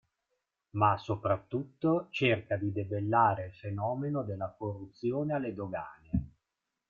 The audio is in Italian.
Ma, soprattutto, cerca di debellare il fenomeno della corruzione alle dogane.